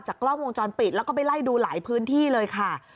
กล้องวงจรปิดแล้วก็ไปไล่ดูหลายพื้นที่เลยค่ะ